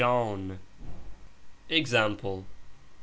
EXAMPLE.